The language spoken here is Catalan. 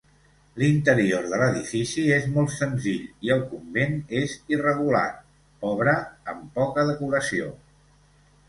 L'interior de l'edifici és molt senzill i el convent és irregular, pobre, amb poca decoració.